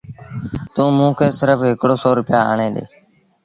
توݩ موݩ کي سرڦ هڪڙو سو روپيآ آڻي ڏي